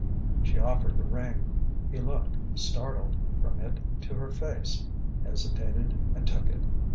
She offered the ring. He looked, startled, from it to her face, hesitated, and took it.